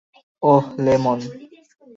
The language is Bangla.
ওহ, লেমন।